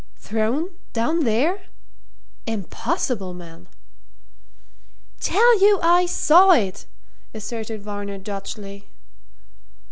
"Thrown down there? Impossible, man!" "Tell you I saw it!" asserted Varner doggedly.